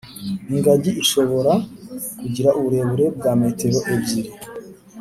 Ingagi ishobora kugira uburebure bwa metero ebyiri